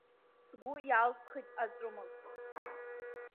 Сгәы иалсхит аҵәымӷ.